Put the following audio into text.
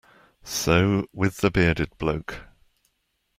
So with the bearded bloke.